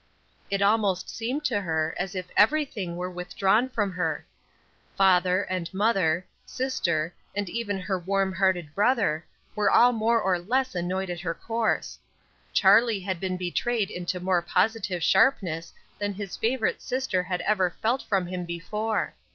It almost seemed to her as if everything were withdrawn from her. Father, and mother, sister, and even her warm hearted brother, were all more or less annoyed at her course. Charlie had been betrayed into more positive sharpness than this favorite sister had ever felt from him before.